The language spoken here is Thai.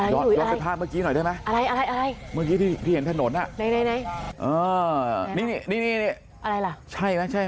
ยอดไปภาพเมื่อกี้หน่อยได้มั้ย